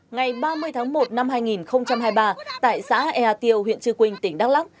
ngày ba mươi tháng một năm hai nghìn hai mươi ba tại xã ea tiêu huyện trư quynh tỉnh đắk lắc